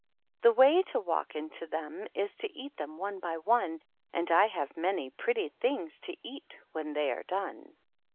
The way to walk into them is to eat them (me by one; And I have many pretty things to eat tohen they are done.